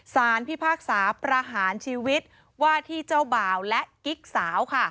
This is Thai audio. พิพากษาประหารชีวิตว่าที่เจ้าบ่าวและกิ๊กสาวค่ะ